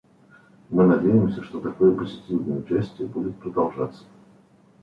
Мы надеемся, что такое позитивное участие будет продолжаться.